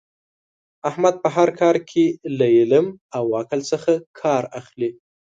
احمد په هر کار کې له علم او عقل څخه کار اخلي.